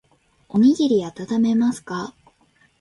おにぎりあたためますか。